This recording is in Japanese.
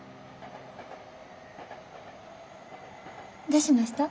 どうしました？